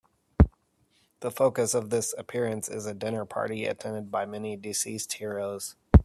The focus of this appearance is a dinner party attended by many deceased heroes.